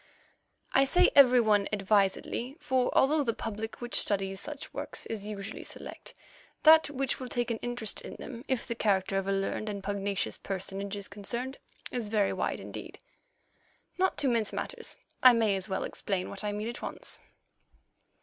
I say every one advisedly, for although the public which studies such works is usually select, that which will take an interest in them, if the character of a learned and pugnacious personage is concerned, is very wide indeed. Not to mince matters, I may as well explain what I mean at once.